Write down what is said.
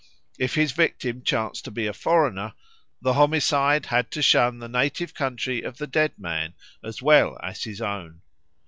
If his victim chanced to be a foreigner, the homicide had to shun the native country of the dead man as well as his own.